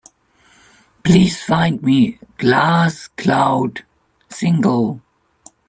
Please find me Glass Cloud – Single.